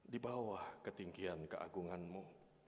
di bawah ketinggian keagunganmu